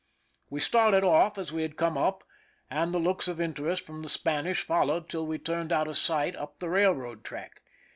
We started off as we had come up, and the looks of interest from the Spanish followed till we turned out of sight up the railroad track.